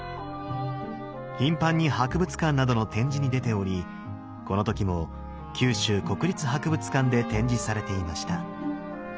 頻繁に博物館などの展示に出ておりこの時も九州国立博物館で展示されていました。